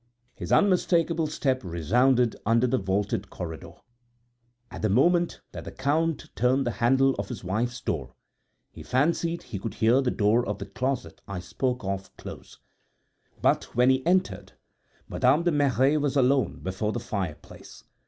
His unmistakable step resounded under the vaulted corridor. At the moment that the Count turned the handle of his wife's door, he fancied he could hear the door of the closet I spoke of close; but when he entered Madame de Merret was alone before the fireplace.